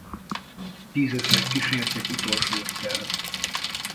Tízezrek kísérték utolsó útjára.